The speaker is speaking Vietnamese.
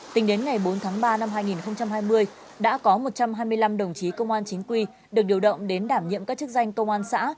tính đến ngày bốn tháng ba năm hai nghìn hai mươi đã có một trăm hai mươi năm đồng chí công an chính quy được điều động đến đảm nhiệm các chức danh công an xã